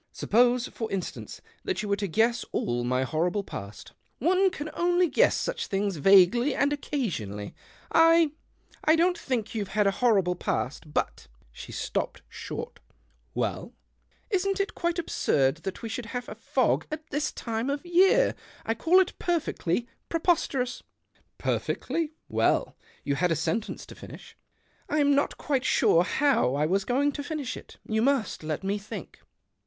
Suppose, for instance, that you were to guess all my horrible past." " One can only guess such things vaguely and occasionally. I — I don't think you've had a horrible past, but " she stopped short. " Well ?"" Isn't it quite absurd that we should have a fog at this time of year ? I call it perfectly preposterous." " Perfectly. Well ? You had a sentence to finish." " I'm not quite sure how I was going to finish it : you must let me think."